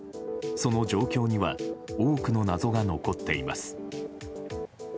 その状況には多くの謎が残っています。